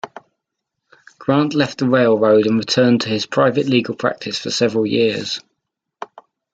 Grant left the railroad and returned to his private legal practice for several years.